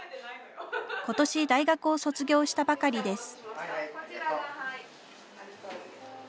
ことし大学を卒業したばかりです。